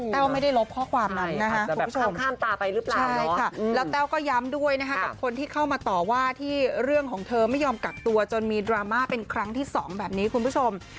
เต้าไม่ได้ลบข้อความนั้นนะครับคุณผู้ชม